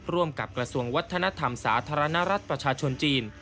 ร่วมกับกระทรวงวัฒนธรรมสาธารณรัฐประชาชนจีน